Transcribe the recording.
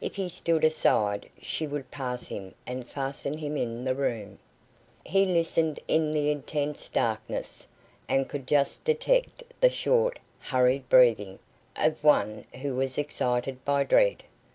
If he stood aside she would pass him and fasten him in the room. He listened in the intense darkness, and could just detect the short, hurried breathing of one who was excited by dread.